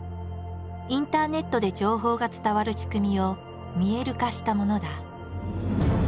インターネットで情報が伝わる仕組みを見える化したものだ。